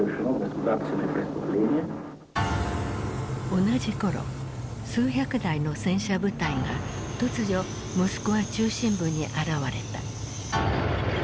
同じ頃数百台の戦車部隊が突如モスクワ中心部に現れた。